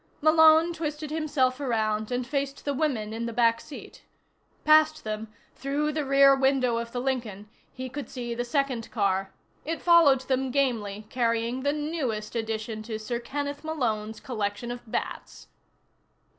Malone twisted himself around and faced the women in the back seat. Past them, through the rear window of the Lincoln, he could see the second car. It followed them gamely, carrying the newest addition to Sir Kenneth Malone's Collection of Bats.